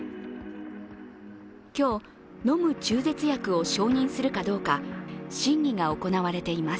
今日、飲む中絶薬を承認するかどうか審議が行われています。